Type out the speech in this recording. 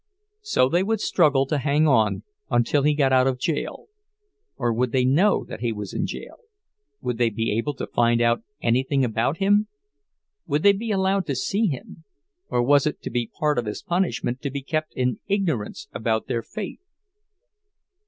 So they would struggle to hang on until he got out of jail—or would they know that he was in jail, would they be able to find out anything about him? Would they be allowed to see him—or was it to be part of his punishment to be kept in ignorance about their fate?